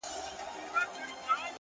علم د راتلونکي دروازې پرانیزي.